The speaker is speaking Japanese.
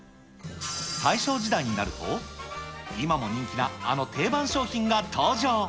大正時代になると、今も人気な、あの定番商品が登場。